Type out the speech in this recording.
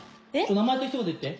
名前と一言言って。